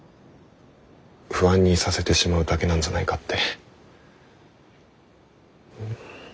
不安にさせてしまうだけなんじゃないかって。